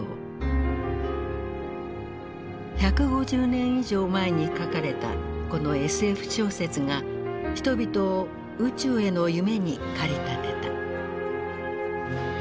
１５０年以上前に書かれたこのＳＦ小説が人々を宇宙への夢に駆り立てた。